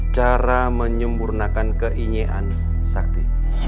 cara menyemburnakan keinyian sakti